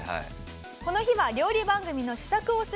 この日は料理番組の試作をするお仕事。